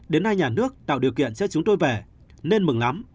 đến nay nhà nước tạo điều kiện cho chúng tôi về nên mừng lắm